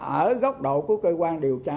ở góc độ của cơ quan điều tra